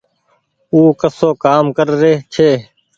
او ڪسو ڪآم ڪرري ڇي